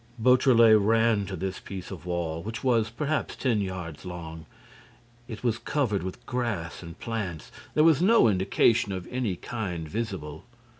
Beautrelet ran to this piece of wall, which was, perhaps, ten yards long. It was covered with grass and plants. There was no indication of any kind visible.